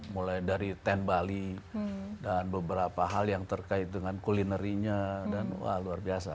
mulai dari ten bali dan beberapa hal yang terkait dengan kulinerinya dan wah luar biasa